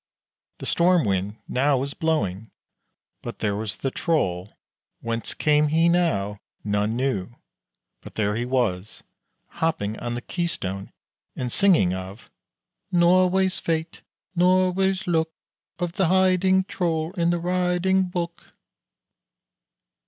The storm wind now was blowing, but there was the Troll. Whence came he now, none knew, but there he was, hopping on the keystone and singing of Norway's fate and Norway's luck, Of the hiding Troll and the riding Buk.